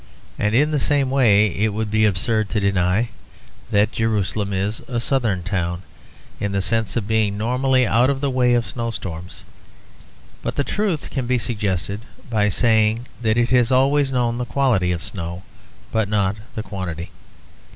And in the same way it would be absurd to deny that Jerusalem is a Southern town, in the sense of being normally out of the way of snowstorms, but the truth can be suggested by saying that it has always known the quality of snow, but not the quantity.